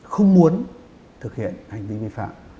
không muốn thực hiện hành vi vi phạm